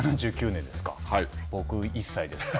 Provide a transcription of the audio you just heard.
７９年ですか。